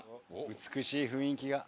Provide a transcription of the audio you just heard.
美しい雰囲気が。